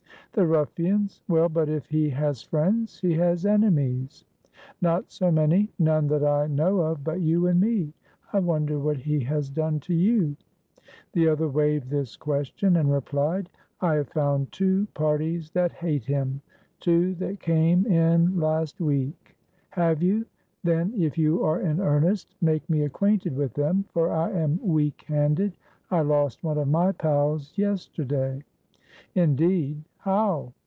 "The ruffians. Well, but if he has friends he has enemies." "Not so many; none that I know of but you and me. I wonder what he has done to you?" The other waived this question and replied: "I have found two parties that hate him; two that came in last week." "Have you? then, if you are in earnest, make me acquainted with them, for I am weak handed; I lost one of my pals yesterday." "Indeed! how?"